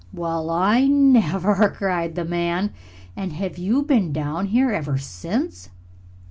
"Well, I never!" cried the man. "And have you been down here ever since?"